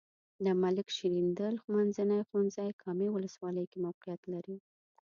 د ملک شیریندل منځنی ښونځی کامې ولسوالۍ کې موقعیت لري.